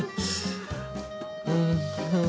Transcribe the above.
うん。